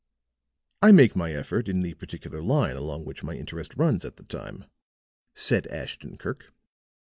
"I make my effort in the particular line along which my interest runs at the time," said Ashton Kirk.